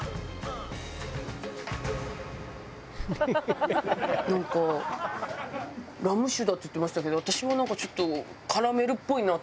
「ハハハハ！」なんかラム酒だって言ってましたけど私はなんかちょっとカラメルっぽいなって。